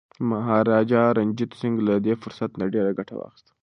مهاراجا رنجیت سنګ له دې فرصت نه ډیره ګټه واخیسته.